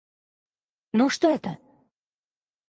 Ну, что это?